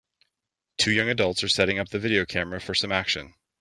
Two young adults are setting up the video camera for some action.